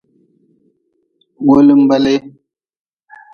Wo linba lee.